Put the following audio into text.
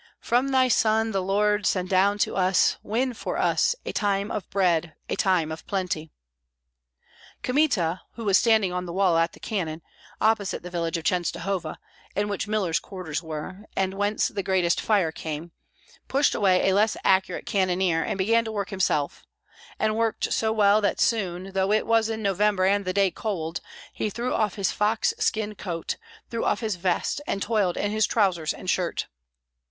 "From Thy Son the Lord Send down to us, win for us, A time of bread, a time of plenty." Kmita, who was standing on the wall at the cannon, opposite the village of Chenstohova, in which Miller's quarters were, and whence the greatest fire came, pushed away a less accurate cannoneer to begin work himself; and worked so well that soon, though it was in November and the day cold, he threw off his fox skin coat, threw off his vest, and toiled in his trousers and shirt.